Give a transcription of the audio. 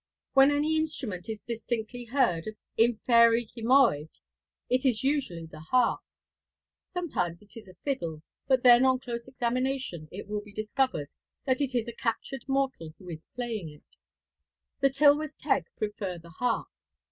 When any instrument is distinctly heard in fairy cymmoedd it is usually the harp. Sometimes it is a fiddle, but then on close examination it will be discovered that it is a captured mortal who is playing it; the Tylwyth Teg prefer the harp.